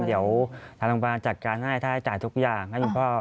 เดี๋ยวทางโรงพยาบาลจะจัดการให้จะจ่ายทุกอย่าง